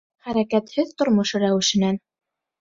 Хәрәкәтһеҙ тормош рәүешенән.